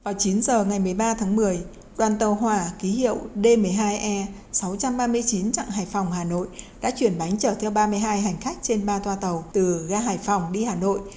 vào chín giờ ngày một mươi ba tháng một mươi đoàn tàu hỏa ký hiệu d một mươi hai e sáu trăm ba mươi chín chặng hải phòng hà nội đã chuyển bánh chở theo ba mươi hai hành khách trên ba toa tàu từ ga hải phòng đi hà nội